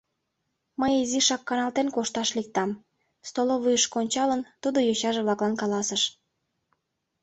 — Мый изишак каналтен кошташ лектам, — столовыйышко ончалын, тудо йочаже-влаклан каласыш.